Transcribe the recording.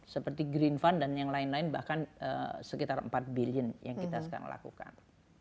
seperti green fund dan yang lain lain bahkan sekitar empat billion yang kita sekarang lakukan